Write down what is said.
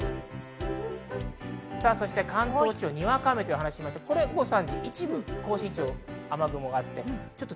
関東地方、にわか雨という話がありますが、午後３時、一部関東甲信地方、雨雲があります。